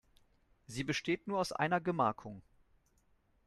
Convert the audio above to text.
Sie besteht nur aus einer Gemarkung.